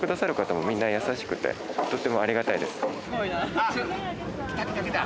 あっ！来た来た来た。